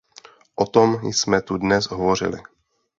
O tom jsme tu dnes hovořili.